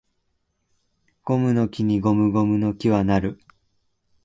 ゴムの木にゴムゴムの木は成る